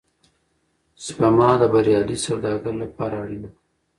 سپما د بریالي سوداګر لپاره اړینه ده.